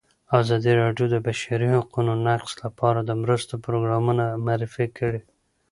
ازادي راډیو د د بشري حقونو نقض لپاره د مرستو پروګرامونه معرفي کړي.